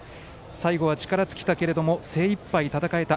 最後は力尽きたけれども精いっぱい戦えた。